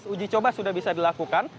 uji coba sudah bisa dilakukan